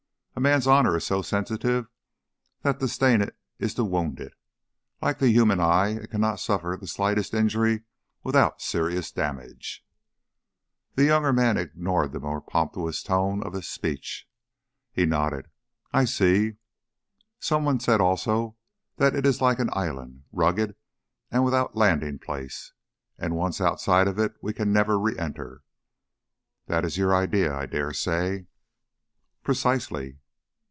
A man's honor is so sensitive that to stain it is to wound it. Like the human eye it cannot suffer the slightest injury without serious damage." The younger man ignored the pompous tone of this speech; he nodded. "I see. Someone said also that it is like an island, rugged and without landing place; and once outside of it we can never re enter. That is your idea, I dare say." "Precisely!"